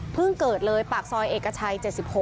เกิดเลยปากซอยเอกชัย๗๖